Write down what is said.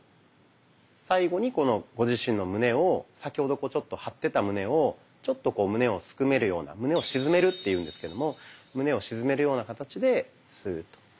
最後にこのご自身の胸を先ほどちょっと張ってた胸をちょっと胸をすくめるような胸を沈めるっていうんですけども胸を沈めるような形でスーッと。